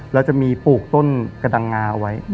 แล้วจะมีปลูกต้นกระดังงาเอาไว้